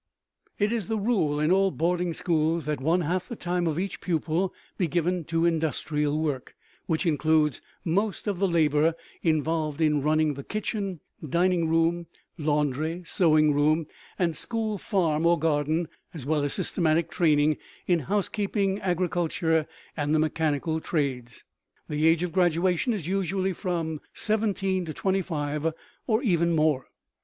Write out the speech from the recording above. It is the rule in all boarding schools that one half the time of each pupil be given to industrial work, which includes most of the labor involved in running the kitchen, dining room, laundry, sewing room, and school farm or garden, as well as systematic training in housekeeping, agriculture, and the mechanical trades. The age of graduation is usually from seventeen to twenty five or even more.